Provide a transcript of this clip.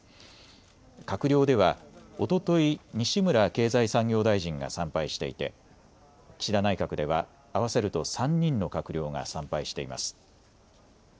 閣僚では、おととい西村経済産業大臣が参拝していて岸田内閣では合わせると３人の閣僚が参拝しています。